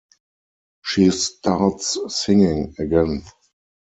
She starts singing again.